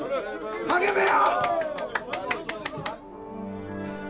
励めよ！